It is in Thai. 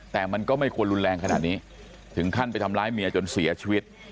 แต่มันก็ไม่ควรรุนแรงขนาดนี้ถึงขั้นไปทำร้ายเมียจนเสียชีวิต